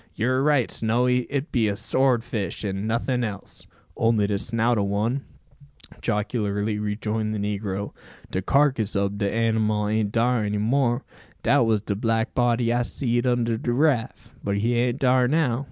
"You're right, Snowy, it be a sword fish, and nothing else." "Only de snout o' one," jocularly rejoined the negro. "De karkiss ob de anymal an't dar any more. Dat was de black body I seed under de raff; but he an't dar now.